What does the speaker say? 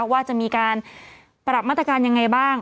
ว่าจะมีการปรับมาตรการยังไงบ้าง